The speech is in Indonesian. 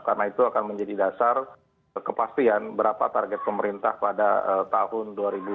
karena itu akan menjadi dasar kepastian berapa target pemerintah pada tahun dua ribu dua puluh dua